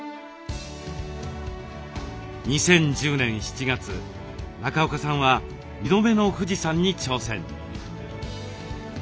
２０１０年７月中岡さんは２度目の富士山に挑戦。